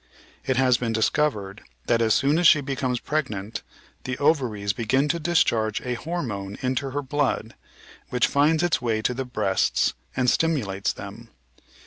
It has been discovered that, as soon as she becomes pregnant, the ovaries begin to discharge a hormone into her blood, which finds its way to the breasts and stimulates them.